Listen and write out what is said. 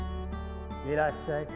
いらっしゃい。